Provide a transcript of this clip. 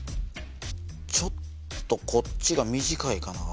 ちょっとこっちが短いかな。